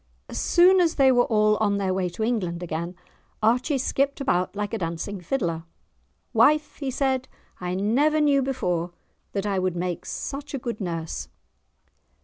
As soon as they were all on their road to England again, Archie skipped about like a dancing fiddler. "Wife," he said, "I never knew before that I would make such a good nurse."